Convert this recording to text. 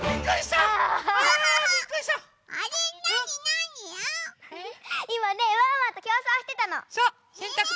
いまねワンワンときょうそうしてたの。